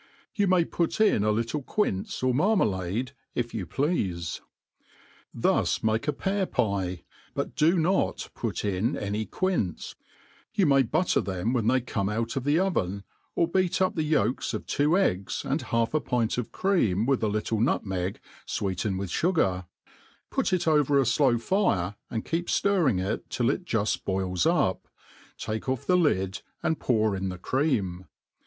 You may put in a little quince or marma lade, if you plea(e» Thus make a pear pie, but do not put in any quince. You may butter them when they cofne out of the oven : or beat up the ycdks of two eggs, and half a pint of cream, with a liule nutmeg, fweetened with fugar; put it over a flowiire, and keep ftirring it till it juft boils up, take oflFthe lid, and pour in the cream.